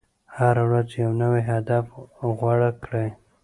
هره ورځ یو نوی هدف غوره کړئ.